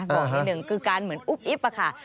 บอกหน่อยหนึ่งคือการเหมือนอุบอิบค่ะ